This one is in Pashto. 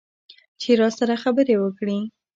چې راسره خبرې وکړي.